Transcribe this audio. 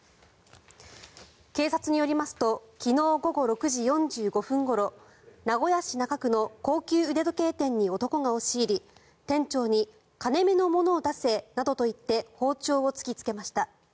警察によりますと昨日午後６時４５分ごろ名古屋市中区の高級腕時計店に男が押し入り店長に金目のものを出せなどと言って包丁を突きつけました。